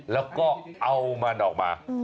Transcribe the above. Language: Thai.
แล้วก็เอามันออกมา